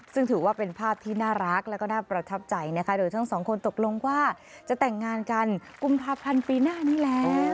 ซึ่งถือว่าเป็นภาพที่น่ารักแล้วก็น่าประทับใจนะคะโดยทั้งสองคนตกลงว่าจะแต่งงานกันกุมภาพันธ์ปีหน้านี้แล้ว